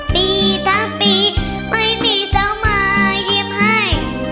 ปีทั้งปีไม่มีเสามาเยี่ยมให้